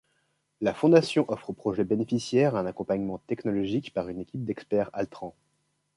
La Fondation offre aux projets bénéficiaires un accompagnement technologique par une équipe d’experts Altran.